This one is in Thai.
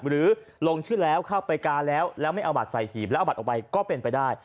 หรือลงชื่อแล้วเข้าไปกาแล้วแล้วไม่เอาบัตรใส่หีบแล้วเอาบัตรออกไปก็เป็นไปได้